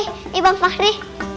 ini bang fahri